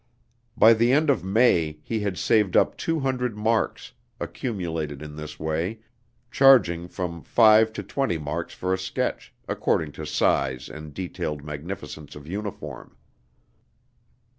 By the end of May he had saved up two hundred marks, accumulated in this way, charging from five to twenty marks for a sketch, according to size and detailed magnificence of uniform.